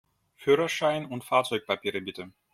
Führerschein und Fahrzeugpapiere, bitte!